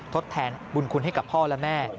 ทดแทนบุญคุณให้กับพ่อและแม่